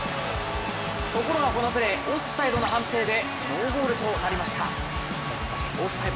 ところがこのプレー、オフサイドの判定でノーゴールとなりました。